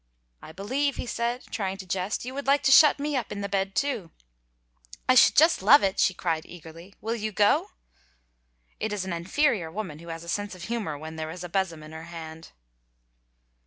"I believe," he said, trying to jest, "you would like to shut me up in the bed too!" "I should just love it," she cried, eagerly; "will you go?" It is an inferior woman who has a sense of humor when there is a besom in her hand.